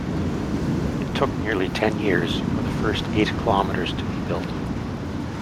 It took nearly ten years for the first eight kilometers to be built.